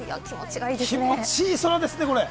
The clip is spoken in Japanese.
気持ちいい空ですね。